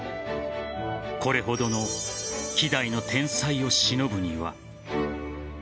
これほどの希代の天才をしのぶには。